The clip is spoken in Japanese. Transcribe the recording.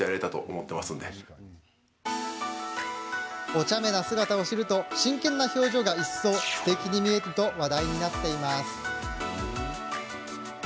おちゃめな姿を知ると真剣な表情が一層すてきに見えると話題になっています。